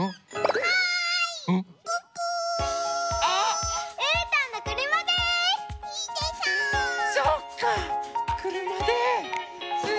はい。